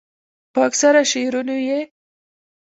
پۀ اکثره شعرونو ئې